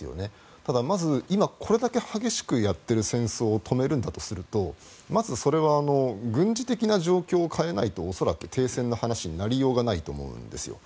ただ、まず今これだけ激しくやっている戦争を止めるんだとするとまずそれは軍事的な状況を変えないと恐らく停戦の話になりようがないと思うんですよ。